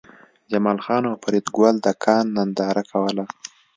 جمال خان او فریدګل د کان ننداره کوله